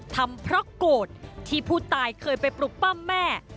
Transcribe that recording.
ทำเพราะโกศที่ผู้ตายเคยปรุกป้ามแม่